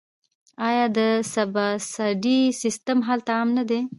آیا د سبسایډي سیستم هلته عام نه دی؟